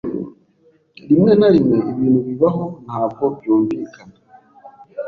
Rimwe na rimwe ibintu bibaho ntabwo byumvikana.